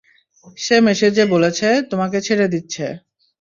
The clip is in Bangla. সে মেসেজে বলেছে, তোমাকে ছেড়ে দিচ্ছে।